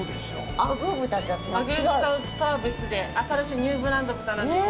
アグー豚とは別で新しいニューブランド豚なんですよ。